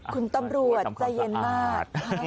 คุณตำรวจใจเย็นมาก